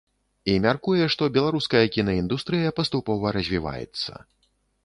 І мяркуе, што беларуская кінаіндустрыя паступова развіваецца.